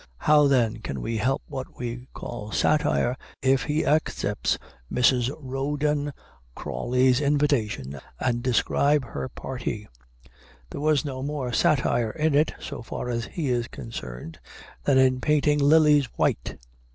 How, then, can he help what we call satire, if he accept Mrs. Rawdon Crawley's invitation and describe her party? There was no more satire in it, so far as he is concerned, than in painting lilies white.